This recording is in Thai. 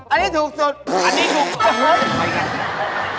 อันนี้ถูกสุด